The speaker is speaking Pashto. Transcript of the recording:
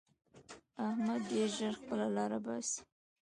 احمد ډېر ژر خپله لاره باسي.